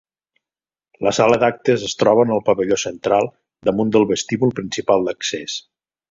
La Sala d'Actes es troba en el pavelló central, damunt del vestíbul principal d'accés.